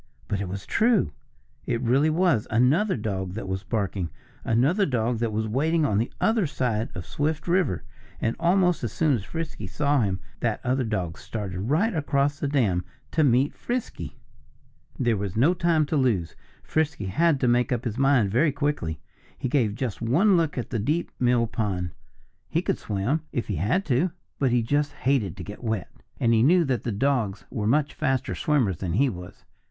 But it was true. It really was another dog that was barking another dog that was waiting on the other side of Swift River. And almost as soon as Frisky saw him, that other dog started right across the dam, to meet Frisky! [Illustration: Fun on the mill dam] There was no time to lose. Frisky had to make up his mind very quickly. He gave just one look at the deep mill pond. He could swim if he had to. But he just hated to get wet. And he knew that the dogs were much faster swimmers than he was.